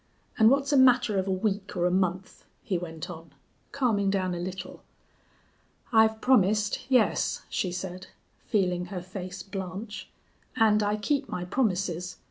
And what's a matter of a week or a month?" he went on, calming down a little. "I've promised, yes," she said, feeling her face blanch, "and I keep my promises....